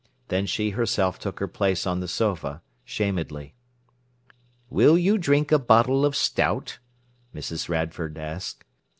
Then she herself took her place on the sofa, shamedly. "Will you drink a bottle of stout?" Mrs. Radford asked.